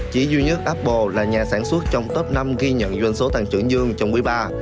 chỉ duy nhất apple là nhà sản xuất trong top năm ghi nhận doanh số tăng trưởng dương trong quý ba